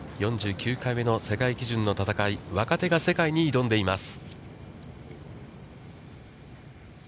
４９回目の世界基準の戦い、若手が世界に挑んでいます。